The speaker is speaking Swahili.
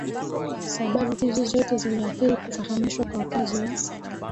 Sababu hizi zote ziliathiri kufahamishwa kwa wakazi wa